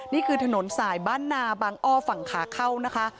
นี่คือถนนสายบ้านนาบางอ้อฝั่งขาเข้านะคะ